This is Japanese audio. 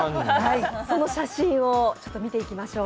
その写真を見ていきましょう。